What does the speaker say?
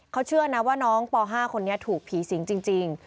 เขาเชื่อนะว่าน้องป๕คนนี้ถูกผีสิงจริง